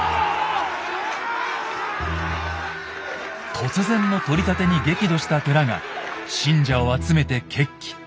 突然の取り立てに激怒した寺が信者を集めて決起。